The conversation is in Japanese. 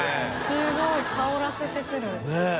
すごい香らせてくる。ねぇ。